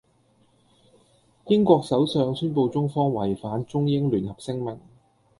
英國首相宣佈中方違反中英聯合聲明。